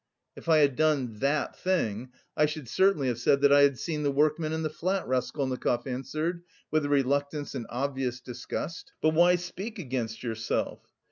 "If I had done that thing, I should certainly have said that I had seen the workmen and the flat," Raskolnikov answered, with reluctance and obvious disgust. "But why speak against yourself?"